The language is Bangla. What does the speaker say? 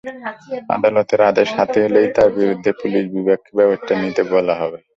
আদালতের আদেশ হাতে এলেই তাঁর বিরুদ্ধে পুলিশ বিভাগকে ব্যবস্থা নিতে বলা হবে।